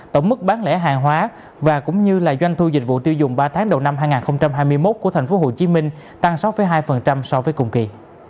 tổng mức bán lẻ hàng hóa và cũng như doanh thu dịch vụ tiêu dùng ba tháng đầu năm hai nghìn hai mươi một của tp hcm tăng sáu hai so với cùng kỳ